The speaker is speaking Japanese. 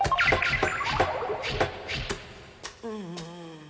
うん。